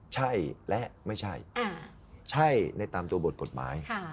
ใช่และไม่ใช่ใช่ในตามตัวบทกฎหมาย